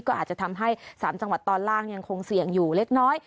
ก็อาจจะทำให้๓จังหวัดตอนล่างยังคงเสี่ยงอยู่เล็กน้อย